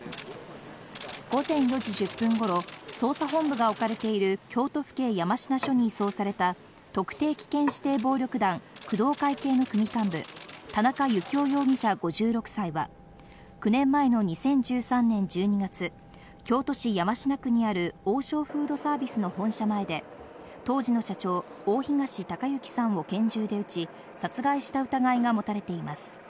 午前４時１０分頃、捜査本部が置かれている京都府警山科署に移送された特定危険試験暴力団・工藤会系の組幹部、田中幸雄容疑者、５６歳は９年前の２０１３年１２月、京都市山科区にある王将フードサービスの本社前で当時の社長・大東隆行さんを拳銃で撃ち、殺害した疑いが持たれています。